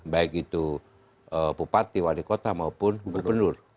baik itu bupati wadikota maupun gubernur